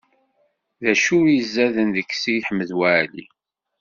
D acu i izaden deg Si Ḥmed Waɛli?